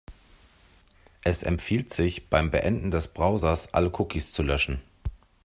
Es empfiehlt sich, beim Beenden des Browsers alle Cookies zu löschen.